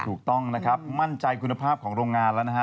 ถูกต้องนะครับมั่นใจคุณภาพของโรงงานแล้วนะฮะ